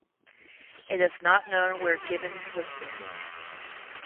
It is not known where Gibbons was buried.